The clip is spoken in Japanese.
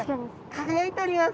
輝いております。